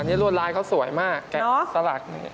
อันนี้รวดลายเขาสวยมากแกะสลักนี่